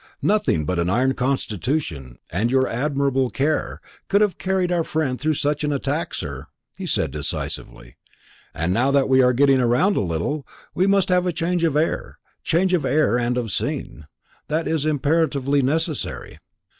"Nothing but an iron constitution, and your admirable care, could have carried our friend through such an attack, sir," he said decisively. "And now that we are getting round a little, we must have change of air change of air and of scene; that is imperatively necessary.